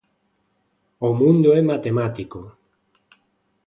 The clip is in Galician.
El mundo es matemático.